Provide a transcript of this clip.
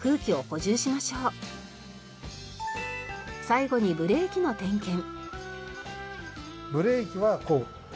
最後にブレーキの点検。